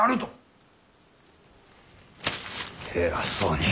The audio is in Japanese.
偉そうに。